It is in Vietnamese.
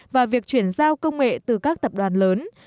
và việc chuyển giao công nghệ từ các tập đoàn lớn